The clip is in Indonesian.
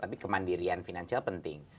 tapi kemandirian finansial penting